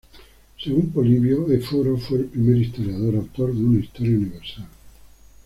Según Polibio, Éforo fue el primer historiador, autor de una historia universal.